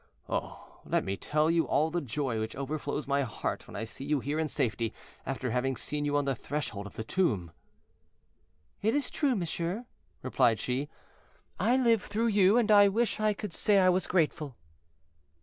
Oh! let me tell you all the joy which overflows my heart when I see you here in safety, after having seen you on the threshold of the tomb." "It is true, monsieur," replied she; "I live through you, and I wish I could say I was grateful."